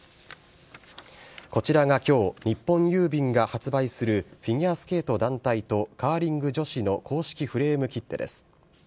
こちらがきょう、日本郵便が発売する、フィギュアスケート団体とカーリング女子の公式フレーム切手です。